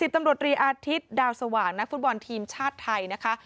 ตำรวจรีอาทิตย์ดาวสว่างนักฟุตบอลทีมชาติไทยนะคะ